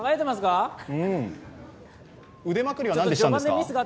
腕まくりはなんでしたんですか？